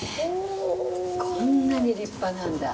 こんなに立派なんだ。